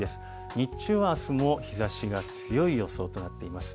日中はあすも日ざしが強い予想となっています。